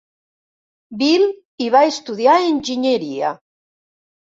Bill i va estudiar enginyeria.